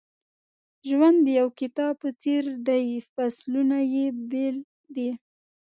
ژوند د یو کتاب په څېر دی فصلونه یې بېل دي.